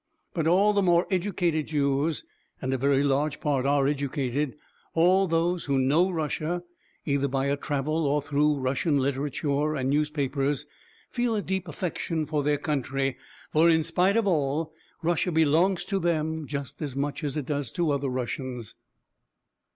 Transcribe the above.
But all the more educated Jews and a very large part are educated all those who know Russia either by a travel or through Russian literature and newspapers, feel a deep affection for their country, for in spite of all, Russia belongs to them just as much as it does to other Russians.